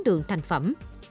đường thành phẩm